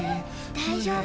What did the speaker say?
大丈夫。